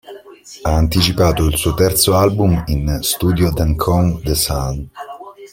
Ha anticipato il suo terzo album in studio "Then Comes the Sun".